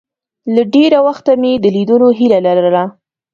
له ډېره وخته مې د لیدلو هیله لرله.